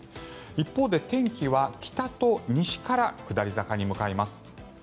一方で、天気は北と西から下り坂に向かいます。